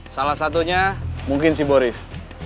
salah satunya mungkin si borif